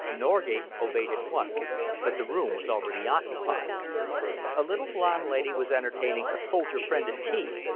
Norgate obeyed at once, but the room was already occupied. A little blond lady was entertaining a soldier friend at tea.